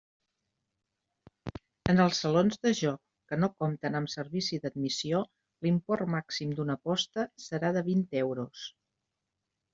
En els salons de joc que no compten amb servici d'admissió l'import màxim d'una aposta serà de vint euros.